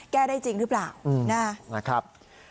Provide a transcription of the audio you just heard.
ได้จริงหรือเปล่านะครับ